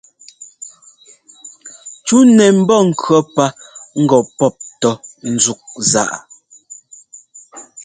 Cú nɛ mbɔ́ŋkʉɔ́ pá ŋgɔ pɔ́p tɔ́ ńzúk zaꞌa.